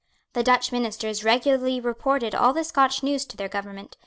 The Dutch ministers regularly reported all the Scotch news to their government.